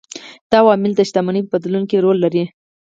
دا عوامل د شتمنۍ په بدلون کې رول لري.